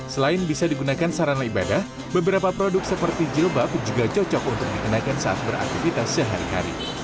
selain bisa digunakan sarana ibadah beberapa produk seperti jilbab juga cocok untuk dikenakan saat beraktivitas sehari hari